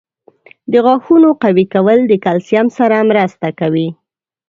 • د غاښونو قوي کول د کلسیم سره مرسته کوي.